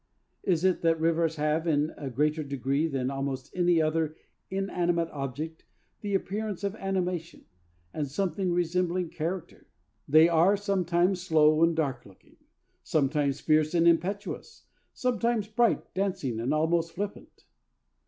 Is it that rivers have, in a greater degree than almost any other inanimate object, the appearance of animation, and something resembling character? They are sometimes slow and dark looking; sometimes fierce and impetuous; sometimes bright, dancing, and almost flippant.'